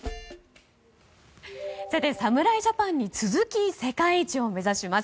侍ジャパンに続き世界一を目指します。